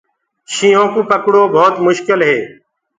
شيِنهو ڪوُ پڪڙوو ڀوت مشڪِل هي۔